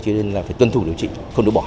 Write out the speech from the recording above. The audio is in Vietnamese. cho nên là phải tuân thủ điều trị không được bỏ